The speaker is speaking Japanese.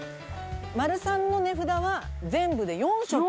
マルサンの値札は全部で４色。